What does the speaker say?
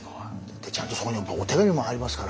でちゃんとそこにお手紙も入りますから。